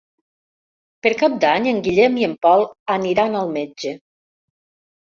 Per Cap d'Any en Guillem i en Pol aniran al metge.